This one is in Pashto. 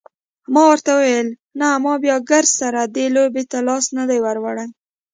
ما ورته وویل نه ما بیا ګردسره دې لوبې ته لاس نه دی وروړی.